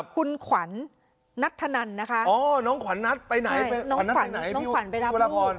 คุณขวันนัทธนันนะคะน้องขวันนัทไปไหนน้องขวันไปรับลูก